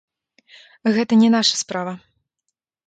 Гэта не наша справа.